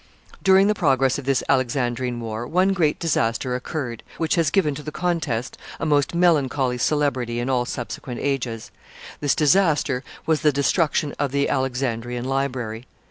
] During the progress of this Alexandrine war one great disaster occurred, which has given to the contest a most melancholy celebrity in all subsequent ages: this disaster was the destruction of the Alexandrian library.